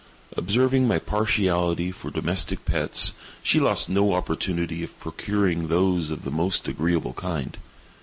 Observing my partiality for domestic pets, she lost no opportunity of procuring those of the most agreeable kind.